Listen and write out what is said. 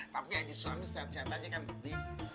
tapi haji sulamnya sehat sehat aja kan bik